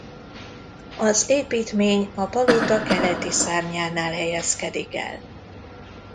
Az építmény a palota keleti szárnyánál helyezkedik el.